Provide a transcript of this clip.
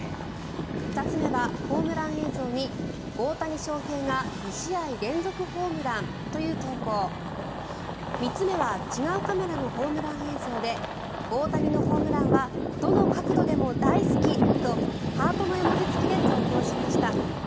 ２つ目は、ホームラン映像に大谷翔平が２試合連続ホームランという投稿３つ目は違うカメラのホームラン映像で大谷のホームランはどの角度でも大好きとハートの絵文字付きで投稿しました。